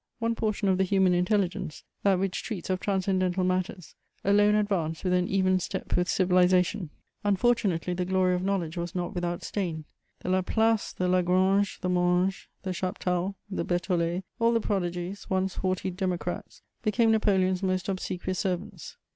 One portion of the human intelligence, that which treats of transcendental matters, alone advanced with an even step with civilisation; unfortunately, the glory of knowledge was not without stain: the Laplaces, the Lagranges, the Monges, the Chaptals, the Berthollets, all the prodigies, once haughty democrats, became Napoleon's most obsequious servants.